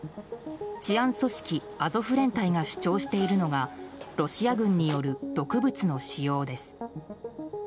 治安組織、アゾフ連隊が主張しているのがロシア軍による毒物の仕様です。